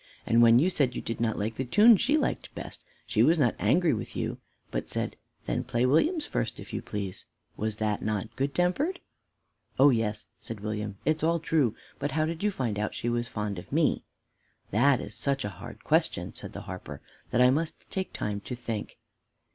And when you said you did not like the tune she liked best, she was not angry with you, but said, 'Then play William's first, if you please.' Was not that good tempered?" "Oh, yes," said William, "it's all true; but how did you find out she was fond of me?" "That is such a hard question," said the harper, "that I must take time to think."